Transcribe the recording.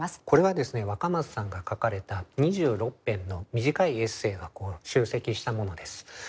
これはですね若松さんが書かれた２６編の短いエッセーが集積したものです。